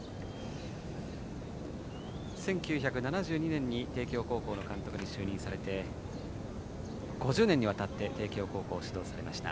１９７２年に帝京高校の監督に就任されて５０年にわたって帝京高校を指導されました